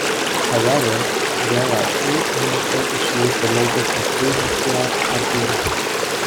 However, there are three clinical issues related to premature adrenarche.